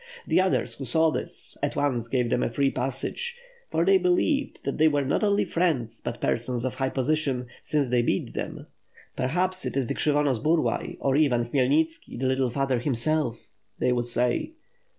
The others who saw this, at once gave them a free passage; for they believed that they were not only friends, but persons of high position, since they beat them. "Perhaps it is Ksh3rvonos Burlay or even Khmyelnitski, the little father himself," they would say.